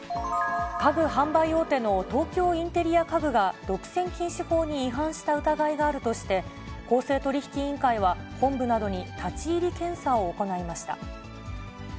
家具販売大手の東京インテリア家具が、独占禁止法に違反した疑いがあるとして、公正取引委員会は、本部などに立ち入り検査を行いました。